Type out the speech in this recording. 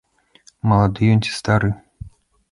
Малады ён ці стары?